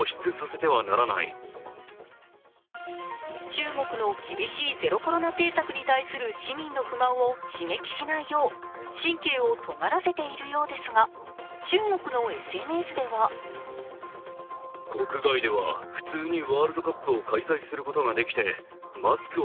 中国の厳しいゼロコロナ政策に対する市民の不満を刺激しないよう、神経をとがらせているようですが中国のＳＮＳでは国民の不満を抑えるのは難しいようです。